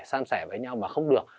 sam sẻ với nhau mà không được